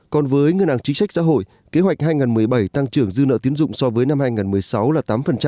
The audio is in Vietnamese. còn với ngân hàng chính sách xã hội kế hoạch hai nghìn một mươi bảy tăng trưởng dư nợ tiến dụng so với năm hai nghìn một mươi sáu là tám